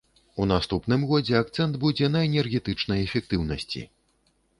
У наступным годзе акцэнт будзе на энергетычнай эфектыўнасці.